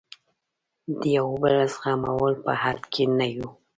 د یو بل زغملو په حد کې نه یو.